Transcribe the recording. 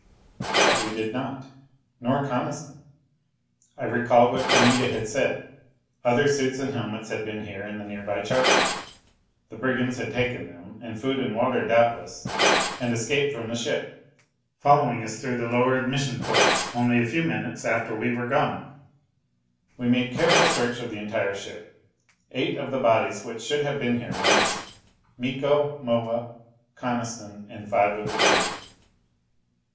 But we did not. Nor Coniston. I recalled what Anita had said: other suits and helmets had been here in the nearby chart room. The brigands had taken them, and food and water doubtless, and escaped from the ship, following us through the lower admission ports only a few minutes after we were gone. We made careful search of the entire ship. Eight of the bodies which should have been here were missing: Miko, Moa, Coniston and five of the crew.